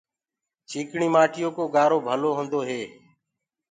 چيڪڻي مآٽيو ڪو گآرو ڀلو هوندو هي۔